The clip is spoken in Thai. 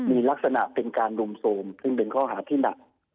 มีลักษณะเป็นการรุมโทรมซึ่งเป็นข้อหาที่หนัก